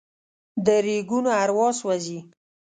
د ریګونو اروا سوزي